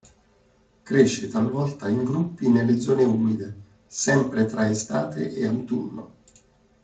Cresce talvolta in gruppi nelle zone umide, sempre tra estate e autunno.